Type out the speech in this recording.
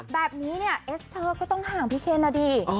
แบบนี้เนี่ยเอสเตอร์ก็ต้องห่างพี่เคนนะดิ